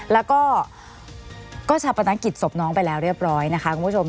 แล้วก็ชาปนกิจศพน้องไปแล้วเรียบร้อยนะคะคุณผู้ชม